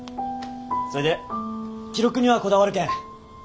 そいでん記録にはこだわるけん。